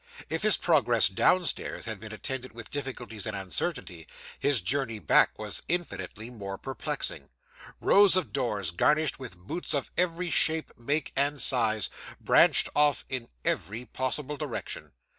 If his progress downward had been attended with difficulties and uncertainty, his journey back was infinitely more perplexing. Rows of doors, garnished with boots of every shape, make, and size, branched off in every possible direction.